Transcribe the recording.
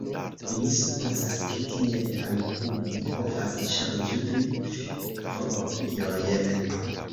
Mi supozas, ke tiel Amikumu povas ŝanĝi viv-vojojn